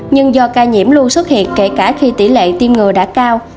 nhưng do ca nhiễm luôn xuất hiện kể cả khi tỷ lệ tiêm ngừa đã cao